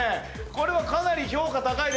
これはかなり評価高いですよ。